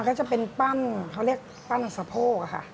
ก็จะเป็นปั้นเขาเรียกปั้นสะโพกค่ะ